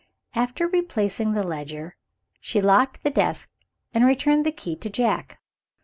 After replacing the ledger, she locked the desk, and returned the key to Jack.